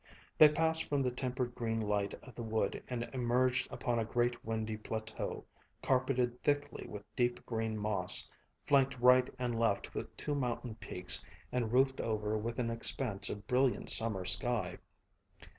They passed from the tempered green light of the wood and emerged upon a great windy plateau, carpeted thickly with deep green moss, flanked right and left with two mountain peaks and roofed over with an expanse of brilliant summer sky.